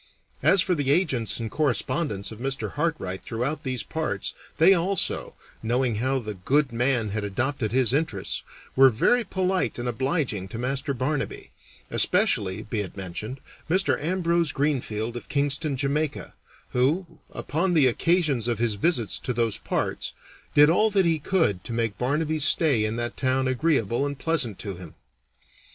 As for the agents and correspondents of Mr. Hartright throughout these parts, they also, knowing how the good man had adopted his interests, were very polite and obliging to Master Barnaby especially, be it mentioned, Mr. Ambrose Greenfield, of Kingston, Jamaica, who, upon the occasions of his visits to those parts, did all that he could to make Barnaby's stay in that town agreeable and pleasant to him.